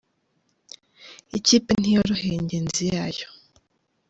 Ikipe ntiyoroheye njyenzi yayo